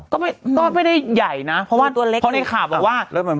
ก็ไม่ไม่ได้ใหญ่นะเพราะว่าตัวเล็กพอในข่าวบอกว่าแล้วมัน